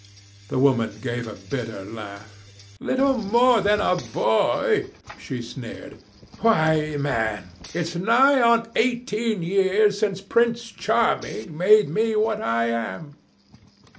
The woman gave a bitter laugh. "Little more than a boy!" she sneered. "Why, man, it's nigh on eighteen years since Prince Charming made me what I am."